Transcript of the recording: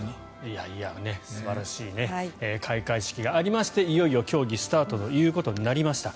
素晴らしい開会式がありましていよいよ競技スタートとなりました。